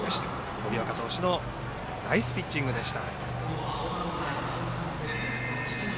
森岡投手ナイスピッチングでした。